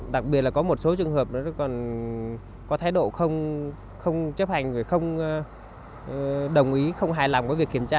đặc biệt là có một số trường hợp có thái độ không chấp hành đồng ý không hài lòng việc kiểm tra